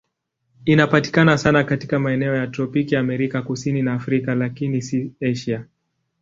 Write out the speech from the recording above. Inapatikana sana katika maeneo ya tropiki Amerika Kusini na Afrika, lakini si Asia.